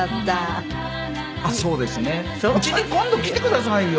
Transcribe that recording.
家に今度来てくださいよ。